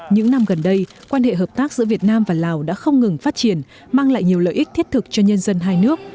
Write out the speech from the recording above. những năm gần đây quan hệ hợp tác giữa việt nam và lào đã không ngừng phát triển mang lại nhiều lợi ích thiết thực cho nhân dân hai nước